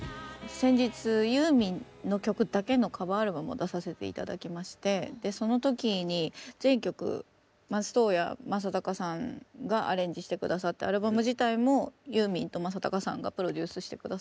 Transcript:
先日ユーミンの曲だけのカバーアルバムを出させて頂きましてでその時に全曲松任谷正隆さんがアレンジして下さってアルバム自体もユーミンと正隆さんがプロデュースして下さったんですけど。